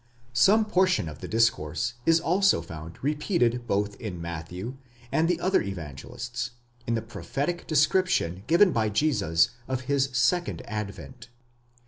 Some portion of the discourse is also found repeated both in Matthew and the other Evangelists, in the prophetic descrip tion given by Jesus of his second advent.